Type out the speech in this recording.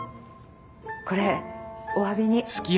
これおわびに。